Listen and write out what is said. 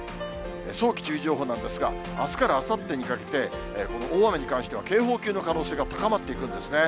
早期注意情報なんですが、あすからあさってにかけて、この大雨に関しては、警報級の可能性が高まっていくんですね。